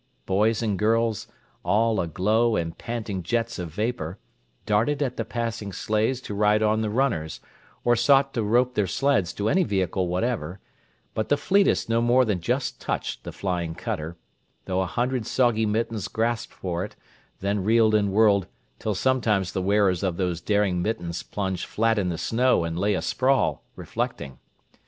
Boys and girls, all aglow and panting jets of vapour, darted at the passing sleighs to ride on the runners, or sought to rope their sleds to any vehicle whatever, but the fleetest no more than just touched the flying cutter, though a hundred soggy mittens grasped for it, then reeled and whirled till sometimes the wearers of those daring mittens plunged flat in the snow and lay a sprawl, reflecting.